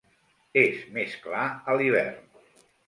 És més clar a l'hivern.